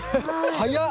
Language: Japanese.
早っ！